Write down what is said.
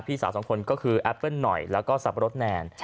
พี่สาวสองคนก็คือแอปเปิ้ลหน่อยแล้วก็สับปะรดแนน